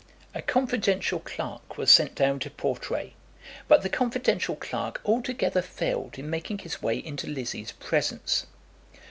A confidential clerk was sent down to Portray, but the confidential clerk altogether failed in making his way into Lizzie's presence.